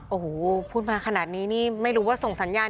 โอ้โหพูดมาขนาดนี้นี่ไม่รู้ว่าส่งสัญญาณ